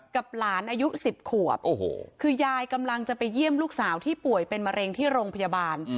กับหลานอายุ๑๐ขวบโอ้โหคือยายกำลังจะไปเยี่ยมลูกสาวที่ป่วยเป็นมะเร็งที่โรงพยาบาล